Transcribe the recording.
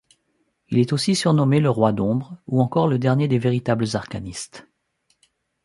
Il est aussi surnommé le Roi d'ombre ou encore le dernier des Véritables Arcanistes.